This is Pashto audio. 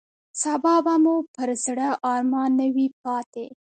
سبا به مو پر زړه ارمان نه وي پاتې.